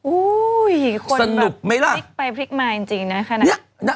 อู้ยคนแบบพริกไปพริกมาจริงน่ะค่ะนั้น